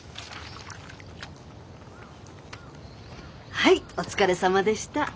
はいお疲れさまでした。